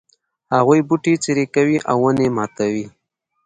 هغوی بوټي څیري کوي او ونې ماتوي